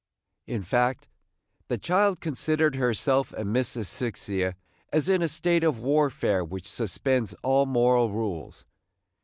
In fact, the child considered herself and Miss Asphyxia as in a state of warfare which suspends all moral rules.